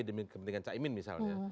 demi kepentingan cak imin misalnya